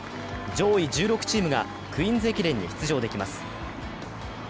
上位１６チームがクイーンズ駅伝に出場できます。